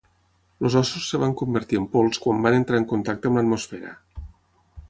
Els ossos es van convertir en pols quan van entrar en contacte amb l'atmosfera.